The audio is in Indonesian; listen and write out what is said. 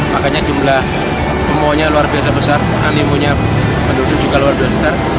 makanya jumlah kemaunya luar biasa besar animonya penduduk juga luar biasa besar